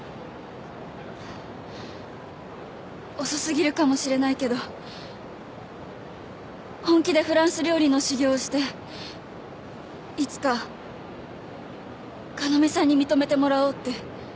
遅すぎるかもしれないけど本気でフランス料理の修業をしていつか要さんに認めてもらおうって。